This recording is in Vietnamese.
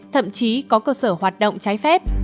thậm chí có cơ sở hoạt động trái phép